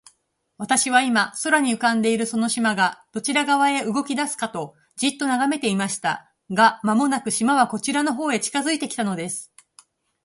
私は、今、空に浮んでいるその島が、どちら側へ動きだすかと、じっと眺めていました。が、間もなく、島はこちらの方へ近づいて来たのです。